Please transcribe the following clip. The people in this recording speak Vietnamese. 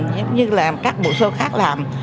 giống như là các bộ show khác làm